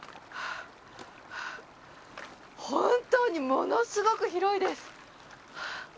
本当にものすごく広いです